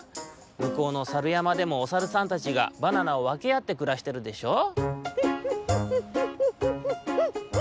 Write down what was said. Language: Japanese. むこうのさるやまでもおさるさんたちがバナナをわけあってくらしてるでしょう？」。